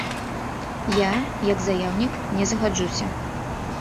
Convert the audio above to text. Я, як заяўнік, не згаджуся.